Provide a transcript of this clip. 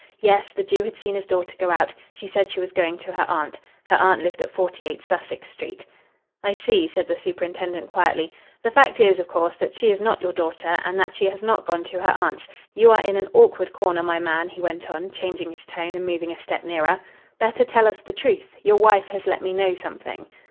Yes, the Jew had seen his daughter go out. She said she was going to her aunt. Her aunt lived at 48 Sussex Street. "I see," said the superintendent quietly. "The fact is, of course, that she is not your daughter, and that she has not gone to her aunt's. You are in an awkward corner, my man," he went on, changing his tone and moving a step nearer. "Better tell us the truth. Your wife has let me know something."